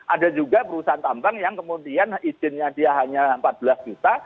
ada juga perusahaan tambang yang kemudian izinnya dia hanya empat belas juta